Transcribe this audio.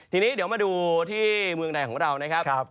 ทีนี้เดี๋ยวมาดูที่เมืองไทยของเรานะครับ